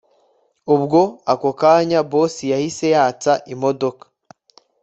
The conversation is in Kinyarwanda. Ubwo ako kanya boss yahise yatsa imodoka